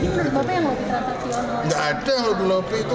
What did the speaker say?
jadi menurut bapak yang lobby transaksional